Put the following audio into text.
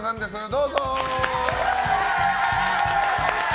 どうぞ！